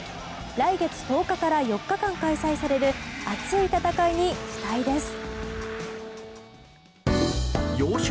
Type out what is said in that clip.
来月１０日から４日間開催される熱い戦いに期待です。